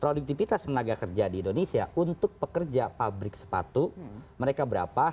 produktivitas tenaga kerja di indonesia untuk pekerja pabrik sepatu mereka berapa